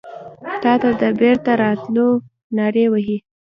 تاته د بیرته راتلو نارې وهې